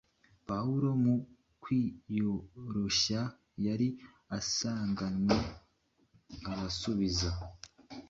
Pawulo mu kwiyoroshya yari asanganwe arasubiza